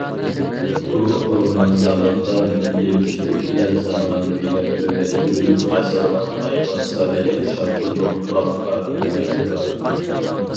بۇ ئورمانزارلىقتا مىللىي ئۇسلۇب بىلەن زامانىۋىلىق بىرلەشتۈرۈلۈپ ياسالغان ئايۋان سارايلىق‹‹ شاپتۇللۇق باغ ئارامگاھى›› بار.